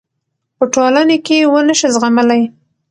پـه ټـولـنـه کـې ونشـي زغـملـى .